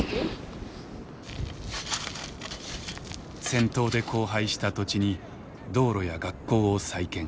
戦闘で荒廃した土地に道路や学校を再建。